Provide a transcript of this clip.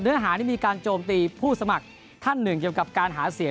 เนื้อหานี่มีการโจมตีผู้สมัครท่านหนึ่งเกี่ยวกับการหาเสียง